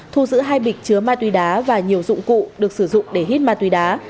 thu giữ hai bịch chứa ma túy đá và nhiều dụng cụ được sử dụng để hít ma túy đá